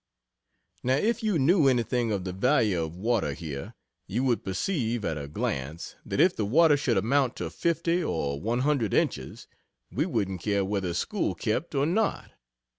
Now, if you knew anything of the value of water, here; you would perceive, at a glance that if the water should amount to 50 or 100 inches, we wouldn't care whether school kept or not.